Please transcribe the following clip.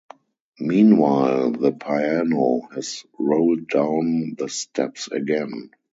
Meanwhile, the piano has rolled down the steps again.